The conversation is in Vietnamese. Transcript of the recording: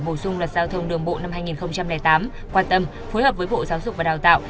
bổ sung luật giao thông đường bộ năm hai nghìn tám quan tâm phối hợp với bộ giáo dục và đào tạo